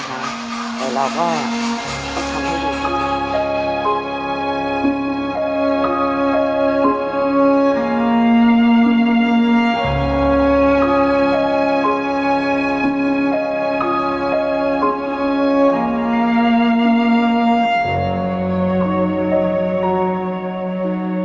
แต่เราก็ทำให้ดี